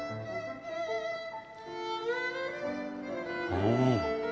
うん！